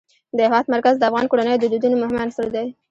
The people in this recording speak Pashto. د هېواد مرکز د افغان کورنیو د دودونو مهم عنصر دی.